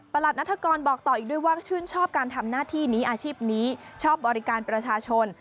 นัฐกรบอกต่ออีกด้วยว่าชื่นชอบการทำหน้าที่นี้อาชีพนี้ชอบบริการประชาชน